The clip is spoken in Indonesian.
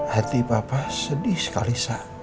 hati papa sedih sekali